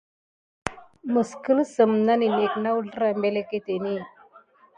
Mi kəpsen melmukdi mulmuk na əzlrah na əsva məleketen di.